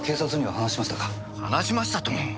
話しましたとも。